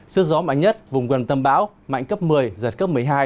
sức gió mạnh nhất vùng gần tâm bão mạnh cấp một mươi giật cấp một mươi hai